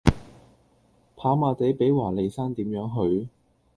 跑馬地比華利山點樣去?